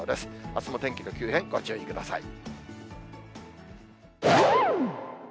あすも天気の急変、ご注意ください。